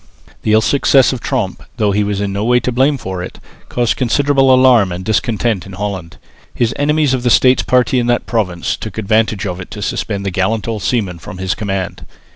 The ill success of Tromp, though he was in no way to blame for it, caused considerable alarm and discontent in Holland. His enemies of the States party in that province took advantage of it to suspend the gallant old seaman from his command.